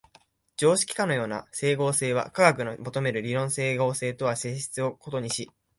常識のかような斉合性は科学の求める論理的斉合性とは性質を異にし、